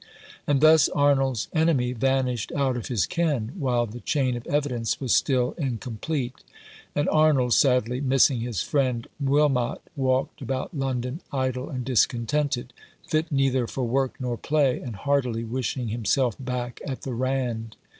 And thus Arnold's enemy vanished out of his ken, while the chain of evidence was still incom plete, and Arnold, sadly missing his friend Wilmot, walked about London idle and discontented, fit neither for work nor play, and heartily wishing himself back at the Rand.